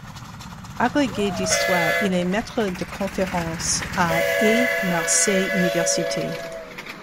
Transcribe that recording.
Agrégé d'histoire, il est maître de conférences à Aix-Marseille Université.